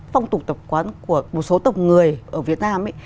phong tục tập quán của một số tộc người ở việt nam